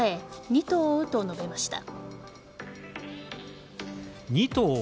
二兎を追うと述べました。